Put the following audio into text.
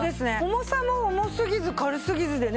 重さも重すぎず軽すぎずでね。